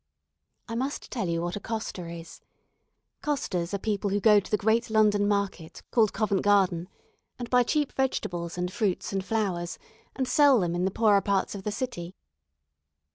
I must tell you what a coster is. Costers are people who go to the great London market, called Covent Garden, and buy cheap vegetables and fruits and flowers, and sell them in the poorer parts of the city.